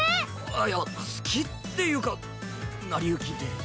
あっいや好きっていうか成り行きで。